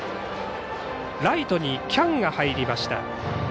ライトに喜屋武が入りました。